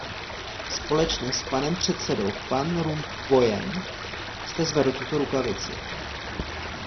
Společně s panem předsedou Van Rompuyem jste zvedl tuto rukavici.